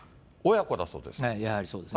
やはりそうですね。